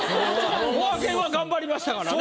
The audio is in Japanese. こがけんは頑張りましたからね。